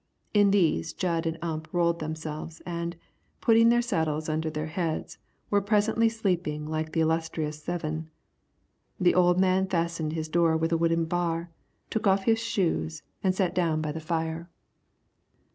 In these Jud and Ump rolled themselves and, putting the saddles under their heads, were presently sleeping like the illustrious Seven. The old man fastened his door with a wooden bar, took off his shoes, and sat down by the fire.